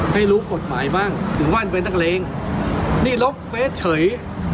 ให้รู้กฎหมายบ้างถึงว่ามันเป็นนักเลงนี่ลบเฟสเฉย